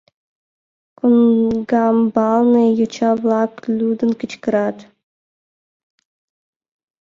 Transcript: Коҥгамбалне йоча-влак лӱдын кычкырат.